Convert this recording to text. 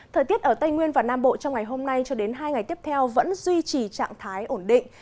thời tiết ở tây nguyên và nam bộ trong ngày hôm nay cho đến hai ngày tiếp theo vẫn duy trì trạng thái ổn định